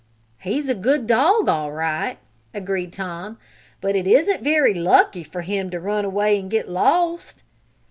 "He's a good dog all right," agreed Tom. "But it isn't very lucky for him to run away and get lost!"